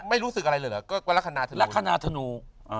ไม่รู้สึกอะไรเลยเหรอก็คิดว่าลาขนาธนู